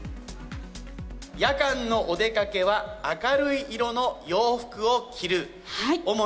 夜間のお出かけは明るい色の洋服を着る。